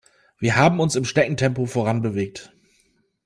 Wir haben uns im Schneckentempo voranbewegt.